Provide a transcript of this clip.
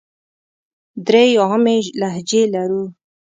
درې عامې لهجې لرو.